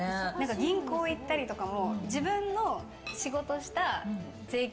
銀行行ったりとかも自分の仕事した税金